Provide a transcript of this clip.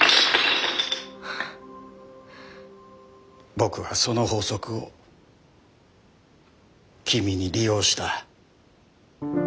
僕はその法則をきみに利用した。